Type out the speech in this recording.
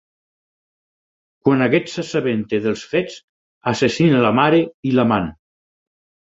Quan aquest s'assabenta dels fets, assassina la mare i l'amant.